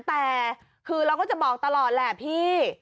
แต่คือเราก็จะบอกตลอดแหละพี่